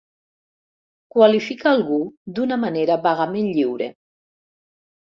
Qualifica algú d'una manera vagament lliure.